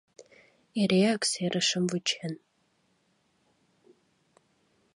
Эреак серышым вучен.